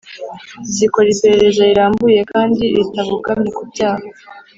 zikora iperereza rirambuye kandi ritabogamye ku byaha